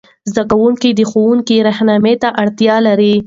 زده کوونکي د ښوونکې رهنمايي ته اړتیا لري.